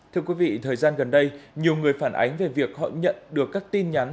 thưa quý vị thời gian gần đây nhiều người phản ánh về việc họ nhận được các tin nhắn